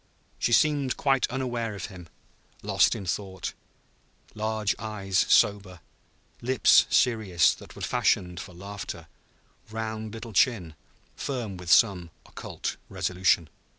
She seemed quite unaware of him, lost in thought, large eyes sober, lips serious that were fashioned for laughter, round little chin firm with some occult resolution.